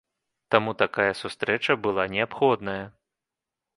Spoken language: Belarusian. Таму такая сустрэча была неабходная.